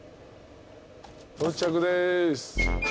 到着です。